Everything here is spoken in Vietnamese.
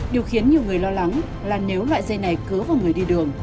điều khiến nhiều người lo lắng là nếu loại dây này cứa vào người đi đường